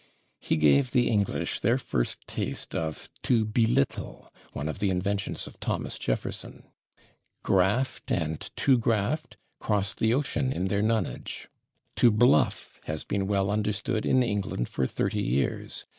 He gave the English their first taste of /to belittle/, one of the inventions of Thomas Jefferson. /Graft/ and /to graft/ crossed the ocean in their nonage. /To bluff/ has been well understood in England for 30 years.